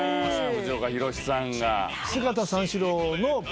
藤岡弘、さんが。